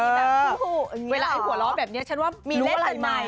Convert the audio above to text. แบบฮึอย่างนี้หรอรู้อะไรมานะเวลาไอ้หัวเราะแบบนี้ฉันว่ามีเล่นใหม่นะ